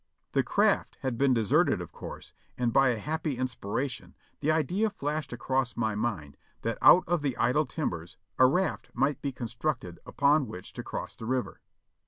The craft had been deserted of course, and by a happy inspiration the idea flashed across my mind that out of the idle timbers a raft might be constructed upon which to cross the river.